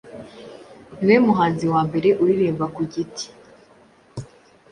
Ni we muhanzi wa mbere uririmba ku giti